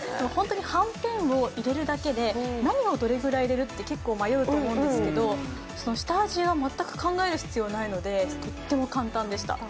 はんぺんを入れるだけで、何をどれくらい入れるか結構、迷うと思うんですけど、下味を考える必要がないのでとっても簡単でした。